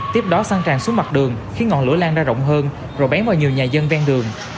tiếp đó xăng tràn xuống mặt đường khiến ngọn lửa lan ra rộng hơn rồi bén vào nhiều nhà dân ven đường